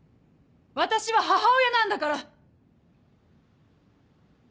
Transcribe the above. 私は母親なんだから！」。